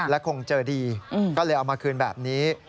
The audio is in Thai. และคงเจอดีก็เลยเอามาคืนแบบนี้